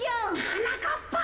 はなかっぱ！